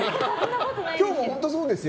今日もそうですよ。